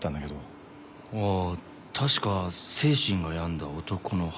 ああ確か精神が病んだ男の犯行。